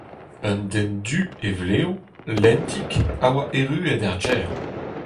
Un den du e vlev, lentik, a oa erruet er gêr.